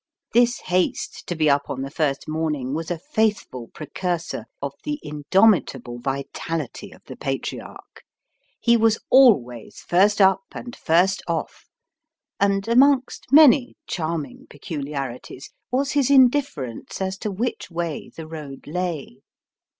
This haste to be up on the first morning was a faithful precursor of the indomitable vitality of the Patriarch. He was always first up and first off, and, amongst many charming peculiarities, was his indifference as to which way the road lay.